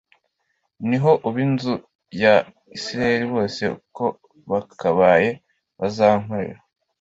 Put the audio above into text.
ni ho ab inzu ya isirayeli bose uko bakabaye bazankorera